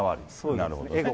なるほどね。